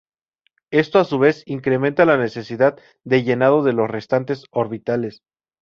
Esto a su vez incrementa la necesidad de llenado de los restantes orbitales.